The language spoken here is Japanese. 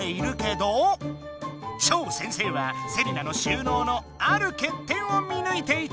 超先生はセリナの収納のあるけっ点を見ぬいていた！